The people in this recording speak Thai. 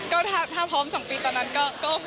ก็ถ้าพร้อม๒ปีตอนนั้นก็